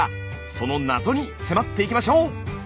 その謎に迫っていきましょう！